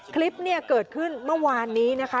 คลิปเนี่ยเกิดขึ้นเมื่อวานนี้นะคะ